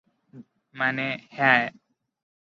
মানে, হ্যাঁ।